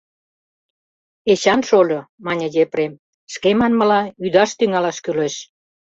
— Эчан шольо, — мане Епрем, — шке манмыла, ӱдаш тӱҥалаш кӱлеш.